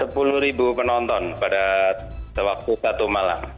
sepuluh penonton pada waktu satu malam